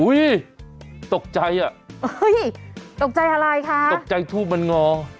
ตกใจอ่ะตกใจอะไรคะตกใจทูบมันงอ